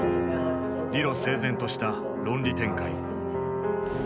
理路整然とした論理展開。